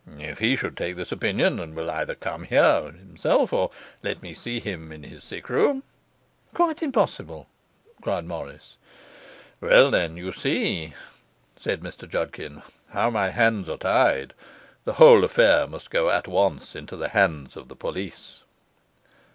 If he should take this opinion, and will either come here himself or let me see him in his sick room ' 'Quite impossible,' cried Morris. 'Well, then, you see,' said Mr Judkin, 'how my hands are tied. The whole affair must go at once into the hands of the police.